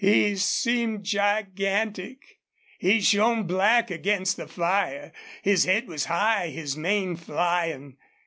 He seemed gigantic. He shone black against the fire. His head was high, his mane flying.